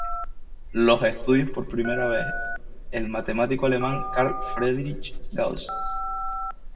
Los estudió por primera vez el matemático alemán Carl Friedrich Gauss.